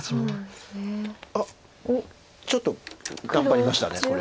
あっちょっと頑張りましたこれ。